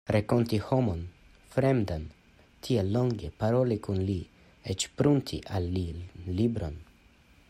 Renkonti homon fremdan, tiel longe paroli kun li, eĉ prunti al li libron!